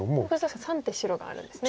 確か３手白があるんですね。